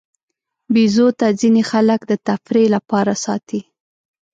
بیزو ته ځینې خلک د تفریح لپاره ساتي.